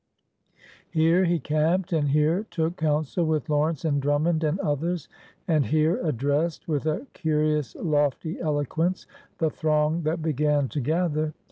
Here he camped, and here took counsel with Lawrence and Drummond and others, and here addressed, with a curious, lofty eloquence, the throng that b^an to gather.